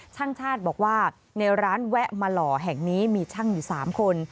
ช่างชาติบอกว่าในร้านแวะมาหล่อแห่งนี้มีช่างอยู่๓คน